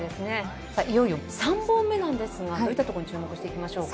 いよいよ３本目なんですがどういったところに注目していきましょうか？